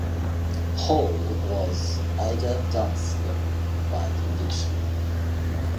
Hall was "eider dansk" by conviction.